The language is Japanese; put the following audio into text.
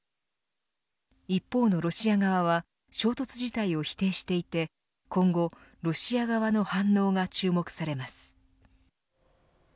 一方のロシア側は衝突自体を否定していて今後、ロシア側の反応が注目されます。